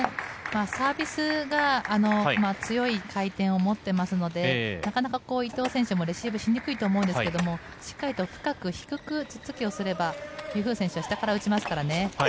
サービスが強い回転を持っていますのでなかなか伊藤選手もレシーブしにくいと思うんですがしっかりと深く低くツッツキをすればユー・フー選手は下から打ちますからね。